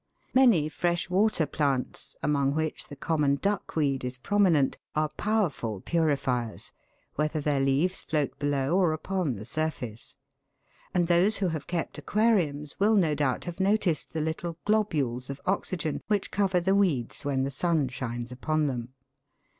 Many fresh water plants, among which the common duckweed is prominent, are powerful purifiers, whether their leaves float below or upon the surface ; and those who have kept aquariums will, no doubt, have noticed the little globules of oxygen which cover the weeds when the sun shines upon them.